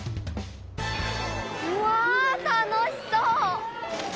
うわたのしそう！